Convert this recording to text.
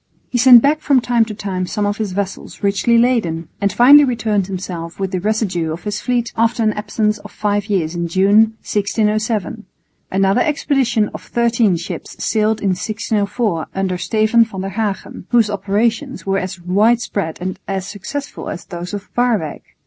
He sent back from time to time some of his vessels richly laden, and finally returned himself with the residue of his fleet after an absence of five years in June, 1607. Another expedition of thirteen ships sailed in 1604 under Steven van der Hagen, whose operations were as widespread and as successful as those of Waerwyck.